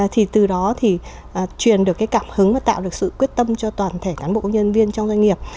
thì từ đó thì truyền được cái cảm hứng và tạo được sự quyết tâm cho toàn thể cán bộ công nhân viên trong doanh nghiệp